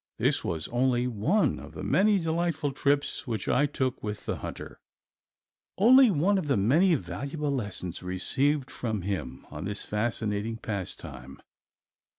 This was only one of the many delightful trips which I took with the hunter, only one of the many valuable lessons received from him on this fascinating pastime.